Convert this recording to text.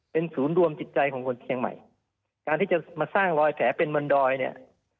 เป็นศูนย์รวมจิตใจของคนเชียงใหม่การที่จะมาสร้างรอยแผลเป็นบนดอยเนี่ย